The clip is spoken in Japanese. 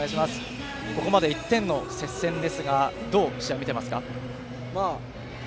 ここまで１点差の接戦ですがどう試合を見ていますか。